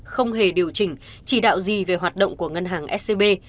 không hề điều chỉnh chỉ đạo gì về hoạt động của ngân hàng scb